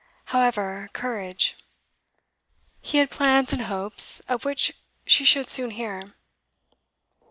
However, courage! He had plans and hopes, of which she should soon hear.